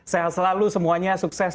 selalu semuanya sukses